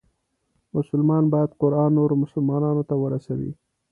مسلمان باید قرآن نورو مسلمانانو ته ورسوي.